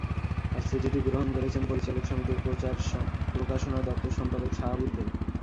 আর চিঠিটি গ্রহণ করেছেন পরিচালক সমিতির প্রচার প্রকাশনা ও দপ্তর সম্পাদক সাহাবুদ্দিন।